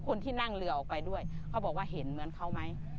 คนที่นั่งเรือออกไปด้วยเขาบอกว่าเห็นเหมือนเขาไหม